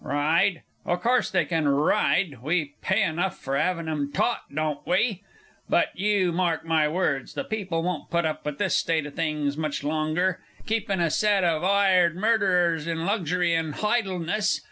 Ride? O' course they can ride we pay enough for 'aving 'em taught, don't we? But you mark my words, the People won't put up with this state of things much longer keepin' a set of 'ired murderers in luxury and hidleness.